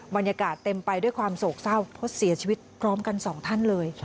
บรรยากาศเต็มไปด้วยความโศกเศร้าเพราะเสียชีวิตพร้อมกันสองท่านเลย